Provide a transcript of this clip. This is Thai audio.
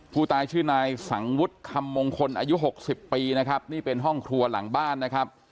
ผู้ตายชื่อนายสังวุฒิคำมงคลอายุหกสิบปีนะครับนี่เป็นห้องครัวหลังบ้านนะครับ